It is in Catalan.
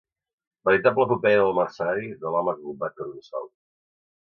veritable epopeia del mercenari, de l'home que combat per un sou